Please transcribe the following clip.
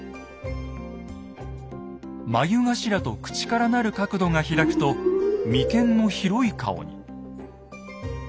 眉頭と口から成る角度が開くと眉間の広い顔に。